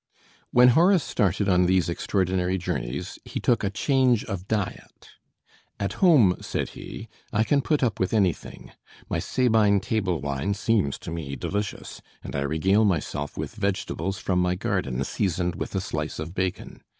When Horace started on these extraordinary journeys, he took a change of diet. "At home," said he, "I can put up with anything; my Sabine table wine seems to me delicious; and I regale myself with vegetables from my garden seasoned with a slice of bacon.